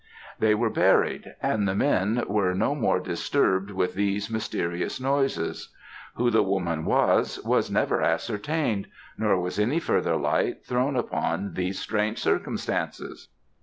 "They were buried, and the men were no more disturbed with these mysterious noises. Who the woman was, was never ascertained; nor was any further light thrown upon these strange circumstances."